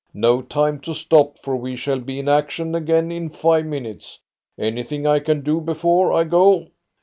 No time to stop, for we shall be in action again in five minutes. Anything I can do before I go?"